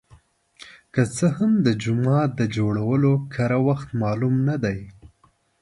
که څه هم د جومات د جوړولو کره وخت معلوم نه دی.